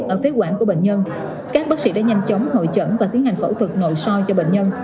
ở phía quản của bệnh nhân các bác sĩ đã nhanh chóng hội chẩn và tiến hành phẫu thuật nội soi cho bệnh nhân